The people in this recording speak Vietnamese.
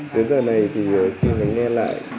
đến giờ này thì khi nghe lại